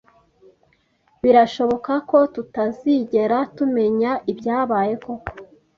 Birashoboka ko tutazigera tumenya ibyabaye koko